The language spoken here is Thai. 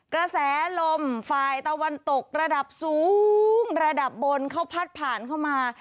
กระแสลมฝ่ายตะวันตกระดับสูงระดับบนเขาพัดผ่านเข้ามา